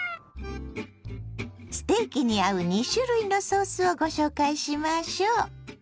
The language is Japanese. ステーキに合う２種類のソースをご紹介しましょう。